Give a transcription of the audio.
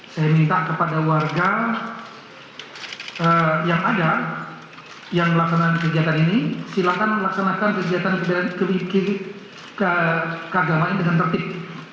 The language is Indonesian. saya minta kepada warga yang ada yang melakukan kegiatan ini silakan melaksanakan kegiatan kegiatan keriki keagamaan dengan tertib